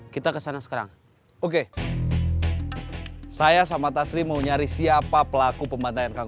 kita kesana sekarang oke saya sama taslim mau nyari siapa pelaku pembandaian kang